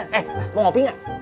eh mau kopi gak